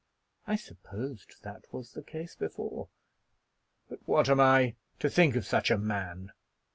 "I supposed that was the case before." "But what am I to think of such a man?